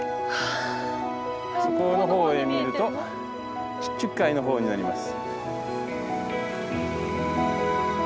そこの方へ見えると地中海の方になります。